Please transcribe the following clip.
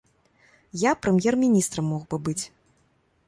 Я прэм'ер-міністрам мог бы быць.